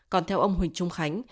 còn theo ông huỳnh trung khánh